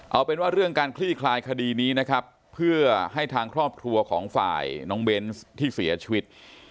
เอาเป็นว่าเรื่องการคลี่คลายคดีนี้นะครับเพื่อให้ทางครอบครัวของฝ่ายน้องเบนส์ที่เสียชีวิต